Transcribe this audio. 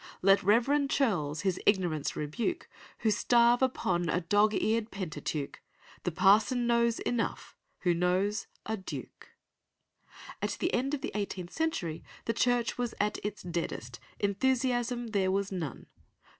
Let reverend churls his ignorance rebuke, Who starve upon a dog eared pentateuch, The parson knows enough who knows a duke." At the end of the eighteenth century the Church was at its deadest, enthusiasm there was none.